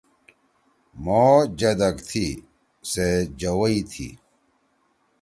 مھو جدَک تھی۔ سے جَوَئی تھی۔